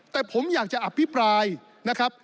แต่ผมอยากจะอภิปรายนะครับ